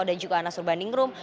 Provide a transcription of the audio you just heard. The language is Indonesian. dan juga anas urbaningrum